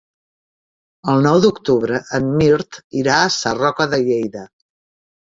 El nou d'octubre en Mirt irà a Sarroca de Lleida.